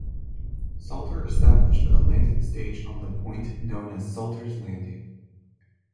Salter established a landing stage on the point known as "Salter's Landing".